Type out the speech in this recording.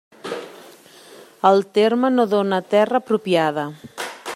El terme no dóna terra apropiada.